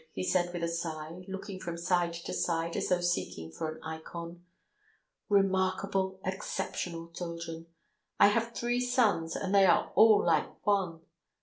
he said with a sigh, looking from side to side as though seeking for an ikon. "Remarkable, exceptional children! I have three sons, and they are all like one.